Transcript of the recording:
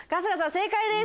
正解です！